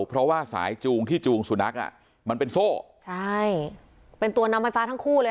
เพราะว่าสายจูงที่จูงสุนัขอ่ะมันเป็นโซ่ใช่เป็นตัวนำไฟฟ้าทั้งคู่เลย